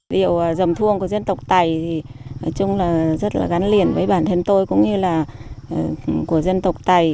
điệu dầm thuông của dân tộc tài thì nói chung là rất là gắn liền với bản thân tôi cũng như là của dân tộc tày